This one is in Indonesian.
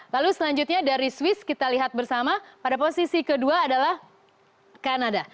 lalu selanjutnya dari swiss kita lihat bersama pada posisi kedua adalah kanada